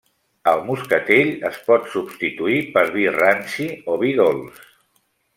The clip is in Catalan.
El moscatell es pot substituir per vi ranci o vi dolç.